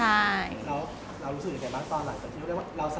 เรารู้สึกยังไงบ้างตอนหลังที่เรียกได้ว่า